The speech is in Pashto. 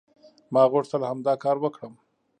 ما غوښتل همدا کار وکړم".